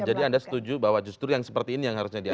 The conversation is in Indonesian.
jadi anda setuju bahwa justru yang seperti ini yang harusnya diatur